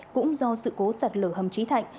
cũng do sự cố sạt lở hầm trí thạnh